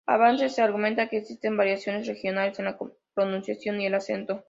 A veces se argumenta que existen variaciones regionales en la pronunciación y el acento.